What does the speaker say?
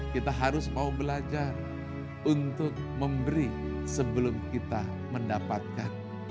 kita harus mau belajar untuk memberi sebelum kita mendapatkan